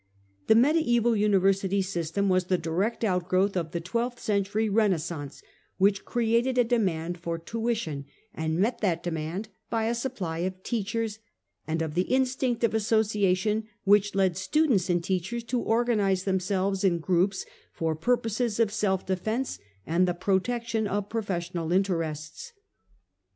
The mediaeval Univer sity system was the direct outgrowth of the twelfth century Renaissance, which created a demand for tuition, and met that demand by a supply of teachers, and of the instinct of association which led students and teachers to organize themselves in groups for purposes of self defence and the protection of professional interests.